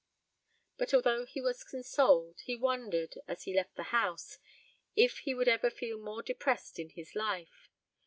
But although he was consoled, he wondered, as he left the house, if he would ever feel more depressed in his life.